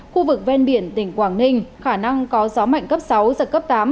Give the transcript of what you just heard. khu vực ven biển tỉnh quảng ninh khả năng có gió mạnh cấp sáu giật cấp tám